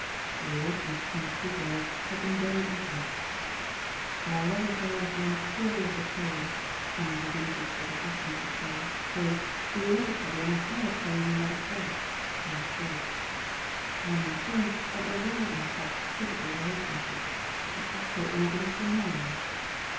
The relations between the two girls had been very intimate. "Our love affair is one purely of the soul," Anna Rubinowitch was accustomed to say; "we love each other on a higher plane than that of earth." (I am informed that there were in fact physical relationships; the sexual organs were normal.)